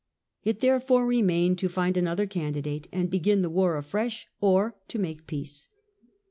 It therefore remained to find another candidate and begin the war afresh, or to make peace.